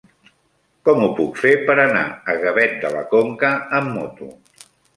Com ho puc fer per anar a Gavet de la Conca amb moto?